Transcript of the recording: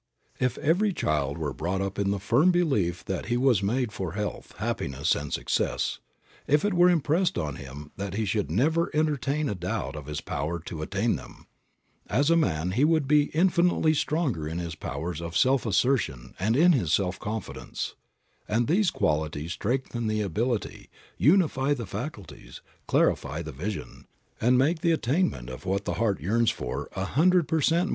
If every child were brought up in the firm belief that he was made for health, happiness, and success; if it were impressed on him that he should never entertain a doubt of his power to attain them, as a man he would be infinitely stronger in his powers of self assertion and in his self confidence; and these qualities strengthen the ability, unify the faculties, clarify the vision, and make the attainment of what the heart yearns for a hundred per cent.